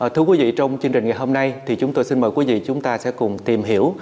thưa quý vị trong chương trình ngày hôm nay thì chúng tôi xin mời quý vị chúng ta sẽ cùng tìm hiểu